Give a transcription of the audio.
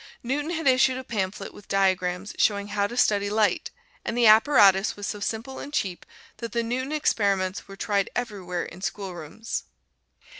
Newton had issued a pamphlet with diagrams showing how to study light, and the apparatus was so simple and cheap that the "Newton experiments" were tried everywhere in schoolrooms.